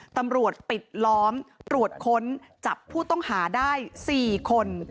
ตำรวจปิดล้อมตรวจค้นจับผู้ต้องหาได้๔คน